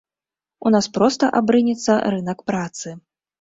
У нас проста абрынецца рынак працы.